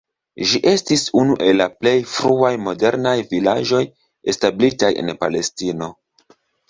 Ĝi estis unu el la plej fruaj modernaj vilaĝoj establitaj en Palestino.